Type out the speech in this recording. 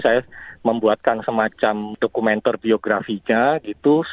saya membuatkan semacam dokumenter biografinya gitu